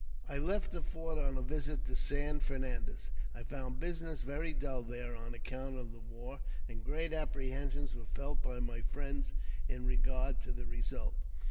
I left the fort on a visit to San Fernandez. I found business very dull there on account of the war, and great apprehensions were felt by my friends in regard to the result.